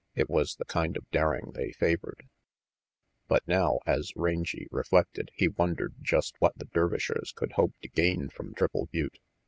It was the kind of daring they favored. But now, as Rangy reflected, he wondered just what the Dervishers could hope to gain from Triple Butte.